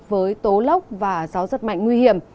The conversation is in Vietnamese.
với tố lốc và gió giọt mạnh nguy hiểm